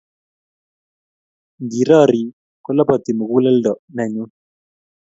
ngi rari kolapati muguleldo ne nyun